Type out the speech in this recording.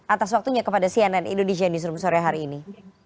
atas waktunya kepada cnn indonesia newsroom sore hari ini